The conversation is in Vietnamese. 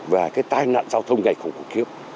và cái tai nạn giao thông ngày không cổ kiếp